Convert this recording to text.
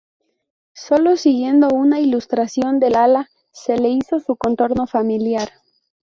Sólo siguiendo una ilustración del ala se le hizo su contorno familiar.